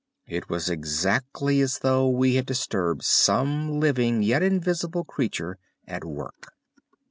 It was exactly as though we had disturbed some living yet invisible creatures at work.